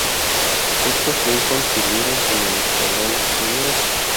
Estos Lincoln sirvieron con el Escuadrón No.